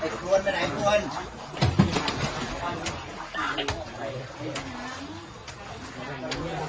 หลงหลงหลงหลง